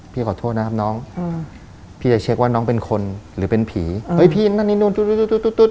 ขอโทษนะครับน้องอืมพี่จะเช็คว่าน้องเป็นคนหรือเป็นผีเอ้ยพี่นั่นนี่นู่นตุ๊ด